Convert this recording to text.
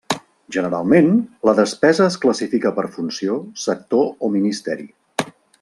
Generalment, la despesa es classifica per funció, sector o ministeri.